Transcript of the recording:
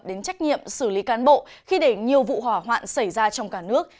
đến trách nhiệm xử lý cán bộ khi để nhiều vụ hỏa hoạn xảy ra trong cả nước